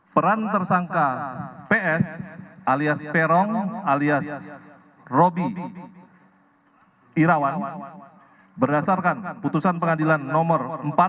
peran tersangka ps alias peron alias robi irawan berdasarkan putusan pengadilan nomor empat